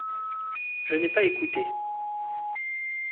Je n’ai pas écouté.